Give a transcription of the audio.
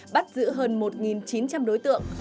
bắt giữ hơn một chín trăm linh đối tượng